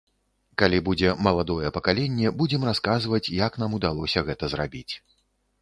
Калі будзе маладое пакаленне, будзем расказваць, як нам удалося гэта зрабіць.